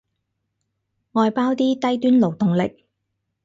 外包啲低端勞動力